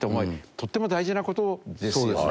とっても大事な事ですよね。